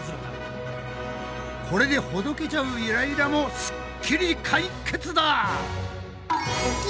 これでほどけちゃうイライラもスッキリ解決だ！